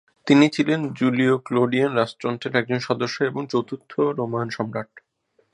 তিনি ছিলেন জুলিও-ক্লডিয়ান রাজতন্ত্রের একজন সদস্য এবং চতুর্থ রোমান সম্রাট।